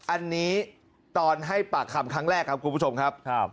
อันนี้ตอนให้ปากคำครั้งแรกครับคุณผู้ชมครับ